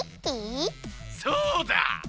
そうだ！